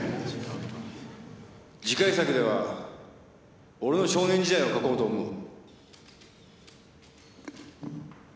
次回作では俺の少年時代を書こうと思う。